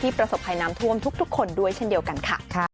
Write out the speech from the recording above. ประสบภัยน้ำท่วมทุกคนด้วยเช่นเดียวกันค่ะ